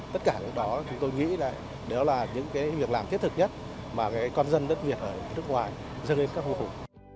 và cái đó chúng tôi nghĩ là đó là những cái việc làm thiết thực nhất mà cái con dân đất việt ở nước ngoài dâng đến các khu phố